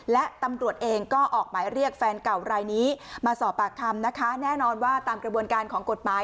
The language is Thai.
และตำรวจเองก็ออกหมายเรียกแฟนเก่ารายนี้มาสอบปากคำนะคะแน่นอนว่าตามกระบวนการของกฎหมาย